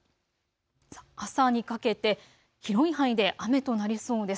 朝にかけて広い範囲で雨となりそうです。